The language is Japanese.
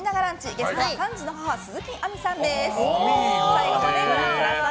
ゲストは３児の母鈴木亜美さんです。